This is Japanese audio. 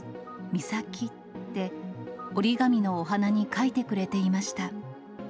みさきって、折り紙のお花に書いてくれていました。